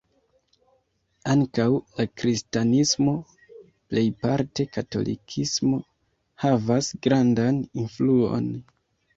Ankaŭ la kristanismo (plejparte katolikismo) havas grandan influon.